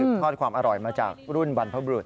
ซึ่งทอดความอร่อยมาจากรุ่นวันพระบรูธ